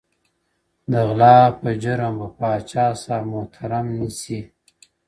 • د غلا په جرم به پاچاصاب محترم نیسې،